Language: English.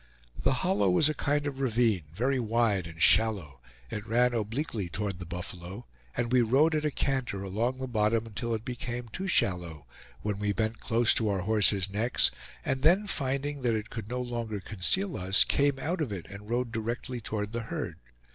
The hollow was a kind of ravine very wide and shallow; it ran obliquely toward the buffalo, and we rode at a canter along the bottom until it became too shallow, when we bent close to our horses' necks, and then finding that it could no longer conceal us, came out of it and rode directly toward the herd.